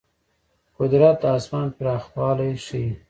قدرت د آسمان پراخوالی ښيي.